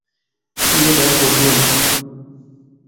ايي ڏھه ڦوٽوون